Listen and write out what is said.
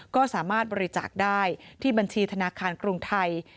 ก็สามารถบริจาคได้ที่บัญชีธนาคารกรุงไทย